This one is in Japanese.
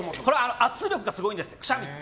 圧力がすごいんですくしゃみって。